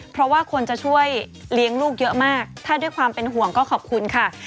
เพราะว่าคนจะช่วยเลี้ยงลูกเยอะมากถ้าด้วยความเป็นห่วงก็ขอบคุณค่ะ